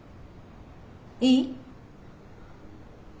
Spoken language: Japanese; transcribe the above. いい？